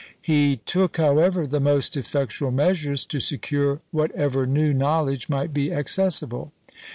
He took, however, the most effectual measures to secure whatever new knowledge might be accessible.